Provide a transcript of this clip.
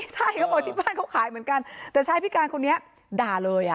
ใช่เขาบอกที่บ้านเขาขายเหมือนกันแต่ชายพิการคนนี้ด่าเลย